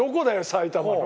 埼玉の。